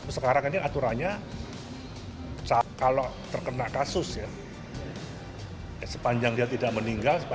sekarang ini aturannya kalau terkena kasus ya sepanjang dia tidak meninggal